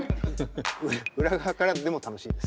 裏側からでも楽しいです。